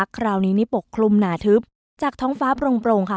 คราวนี้นี่ปกคลุมหนาทึบจากท้องฟ้าโปร่งค่ะ